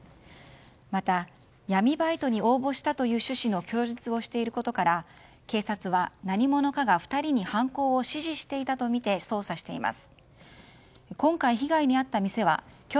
また闇バイトに応募したという趣旨の供述をしていることから警察は何者かが２人に犯行を指示していたとみて捜査しています。